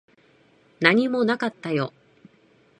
何もなかったよ。